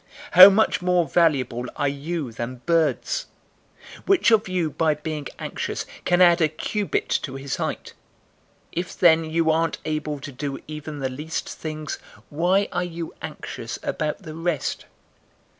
How much more valuable are you than birds! 012:025 Which of you by being anxious can add a cubit to his height? 012:026 If then you aren't able to do even the least things, why are you anxious about the rest?